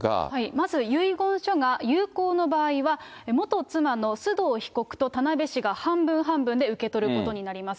まず遺言書が有効の場合は、元妻の須藤被告と田辺市が半分半分で受け取ることになります。